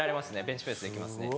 ベンチプレスで行けますね。